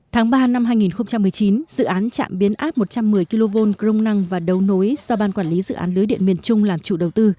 tháng ba năm hai nghìn một mươi chín dự án chạm biến áp một trăm một mươi kv crom năng và đấu nối do ban quản lý dự án lưới điện miền trung làm chủ đầu tư